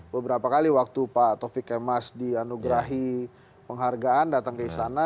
beberapa kali waktu pak taufik kemas dianugerahi penghargaan datang ke istana